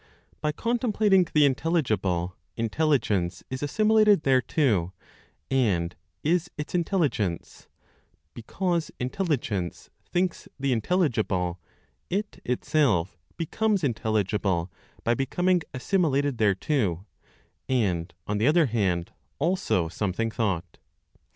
By contemplating the intelligible, intelligence is assimilated thereto and is its intelligence, because Intelligence thinks the intelligible it itself becomes intelligible by becoming assimilated thereto, and on the other hand also something thought.